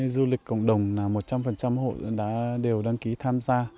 du lịch cộng đồng là một trăm linh hộ đều đăng ký tham gia